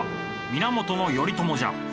源頼朝じゃ。